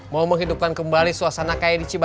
mau menghidupkan kembali suasana kayak ini